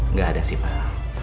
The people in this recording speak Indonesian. nggak ada sih pak